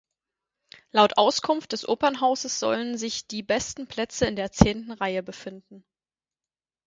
Laut Auskunft des Opernhauses sollen sich die besten Plätze in der zehnten Reihe befinden.